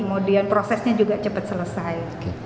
kemudian prosesnya juga cepat selesai